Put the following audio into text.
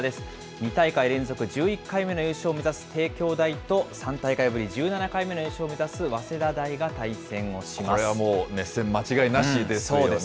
２大会連続、１１回目の優勝を目指す帝京大と、３大会ぶり１７回目の優勝を目指す早稲田大が対戦をします。